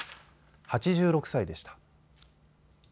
８６歳でした。